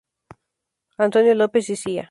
Antonio López y Cía.